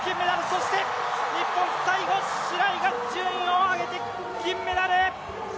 そして日本、最後、白井が順位を上げて銀メダル！